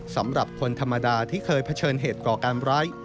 สำหรับคนธรรมดาที่เคยเผชิญเหตุก่อการร้าย